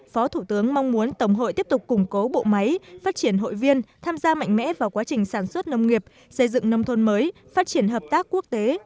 phó thủ tướng mong muốn tổng hội tiếp tục củng cố bộ máy phát triển hội viên tham gia mạnh mẽ vào quá trình sản xuất nông nghiệp xây dựng nông thôn mới phát triển hợp tác quốc tế